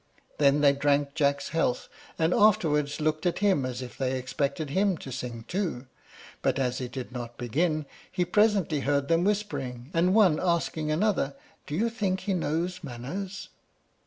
Then they drank Jack's health, and afterwards looked at him as if they expected him to sing too; but as he did not begin, he presently heard them whispering, and one asking another, "Do you think he knows manners?"